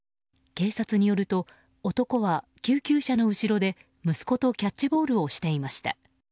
警察によると男は救急車の後ろで息子とキャッチボールをしていました。